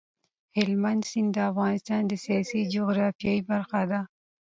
هلمند سیند د افغانستان د سیاسي جغرافیه برخه ده.